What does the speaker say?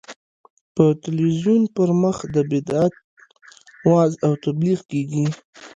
په تلویزیون پر مخ د بدعت وعظ او تبلیغ کېږي.